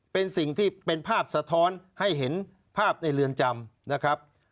เป็นสิ่งที่เป็นภาพสะท้อนให้เห็นภาพในเรือนจำนะครับ